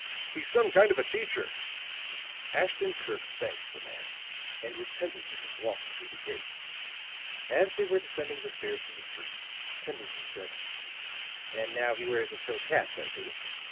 He's some kind of a teacher." Ashton Kirk thanked the man, and with Pendleton walked through the gate. As they were descending the stairs to the street, Pendleton said: "And now he wears a silk hat, does he?